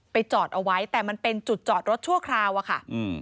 จอดเอาไว้แต่มันเป็นจุดจอดรถชั่วคราวอะค่ะอืม